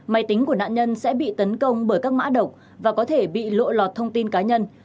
máy tính của nạn nhân sẽ bị tấn công bởi các mã độc và có thể bị lộ lọt thông tin cá nhân